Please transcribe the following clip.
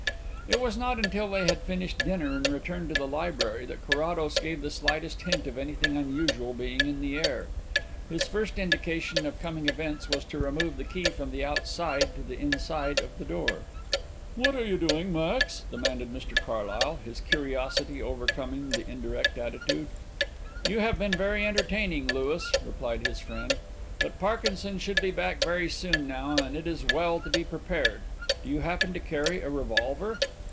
It was not until they had finished dinner and returned to the library that Carrados gave the slightest hint of anything unusual being in the air. His first indication of coming events was to remove the key from the outside to the inside of the door. "What are you doing, Max?" demanded Mr Carlyle, his curiosity overcoming the indirect attitude. "You have been very entertaining, Louis," replied his friend, "but Parkinson should be back very soon now and it is as well to be prepared. Do you happen to carry a revolver?"